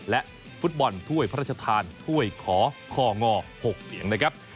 และฟุตบอลถ้วยพระราชทานถ้วยขอคง๖เสียงนะครับ